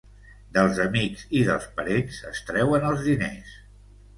Dels amics i dels parents es treuen els diners.